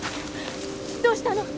どうしたの？